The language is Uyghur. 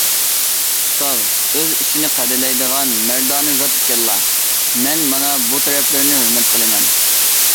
ئۇستاز ئۆز ئىشىنى قەدىرلەيدىغان مەردانە زات ئىكەنلا، مەن مانا بۇ تەرەپلىرىنى ھۆرمەت قىلىمەن.